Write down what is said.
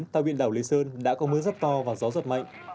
tàu biện đảo lê sơn đã có mưa rất to và gió rất mạnh